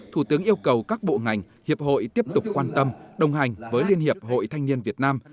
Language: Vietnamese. thủ tướng yêu cầu các bộ ngành hiệp hội tiếp tục quan tâm đồng hành với liên hiệp hội thanh niên việt nam